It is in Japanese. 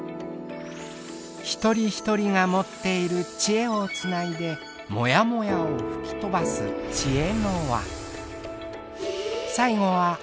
一人一人が持っているチエをつないでもやもやを吹き飛ばすチエノワ。